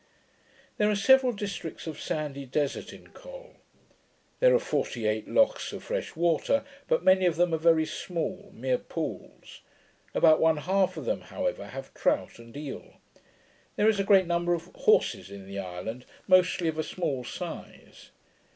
There are several districts of sandy desart in Col. There are forty eight lochs of fresh water; but many of them are very small meer pools. About one half of them, however, have trout and eel. There is a great number of horses in the island, mostly of a small size.